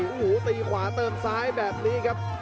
โอ้โหตีขวาเติมซ้ายแบบนี้ครับ